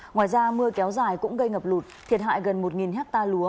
ngoài ra mưa kéo dài cũng gây ngập lụt thiệt hại gần một hectare lúa